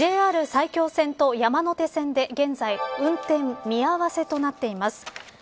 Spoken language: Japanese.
ＪＲ埼京線と山手線で現在運転見合わせとなっています。